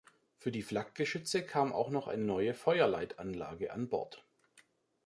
Für die Flakgeschütze kam auch noch eine neue Feuerleitanlage an Bord.